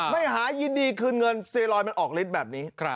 ไม่หายยินดีคืนเงินเซลอยมันออกฤทธิ์แบบนี้